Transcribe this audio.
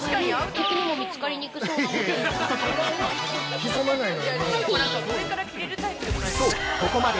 敵にも見つかりにくそうなので。